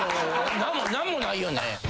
何もないよね。